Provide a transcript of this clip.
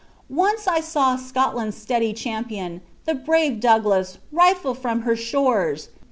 "Once I saw Scotland's steady champion, the brave Douglas, rifled from her shores!